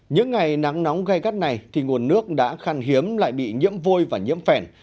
những ngày nắng nóng gây gắt này thì nguồn nước đã khăn hiếm lại bị nhiễm vôi và nhiễm phèn